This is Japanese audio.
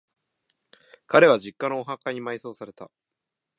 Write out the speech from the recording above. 彼は、実家のお墓に埋葬された。